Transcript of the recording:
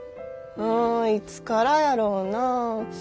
うんいつからやろうな？